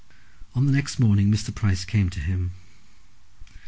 On the next morning Mr. Price came to him.